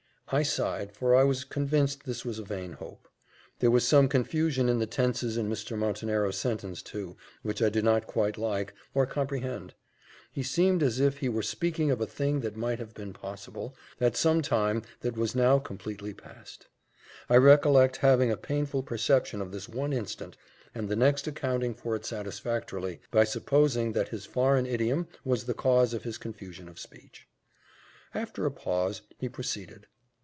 I sighed, for I was convinced this was a vain hope. There was some confusion in the tenses in Mr. Montenero's sentence too, which I did not quite like, or comprehend; he seemed as if he were speaking of a thing that might have been possible, at some time that was now completely past. I recollect having a painful perception of this one instant, and the next accounting for it satisfactorily, by supposing that his foreign idiom was the cause of his confusion of speech. After a pause, he proceeded.